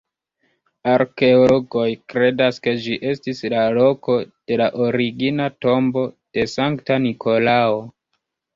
Arkeologoj kredas ke ĝi estis la loko de la origina tombo de Sankta Nikolao.